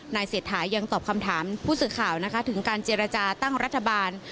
นายเสถายังตอบคำถามผู้ศึกข่าวถึงการเจรจาตั้งรัฐบาล